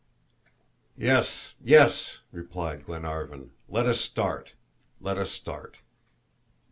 "Yes, yes!" replied Glenarvan. "Let us start, let us start!"